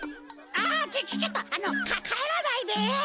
あちょちょっとあのかかえらないで！